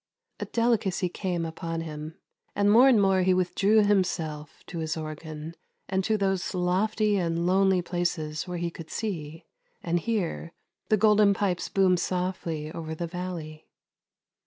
A delicacy came upon him, and more and more he with drew himself to his organ, and to those lofty and lonely places where he could see — and hear — the Golden Pipes boom softly over the valley.